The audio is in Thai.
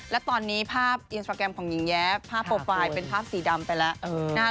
และตอนนี้ภาพอินสตราแกรมของหญิงแย้ภาพโปรไฟล์เป็นภาพสีดำไปแล้ว